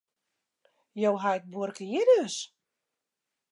Jo heit buorke hjir dus?